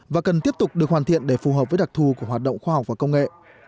và cần tiếp tục được hoàn thiện để phù hợp với đặc thù của hoạt động khoa học và công nghệ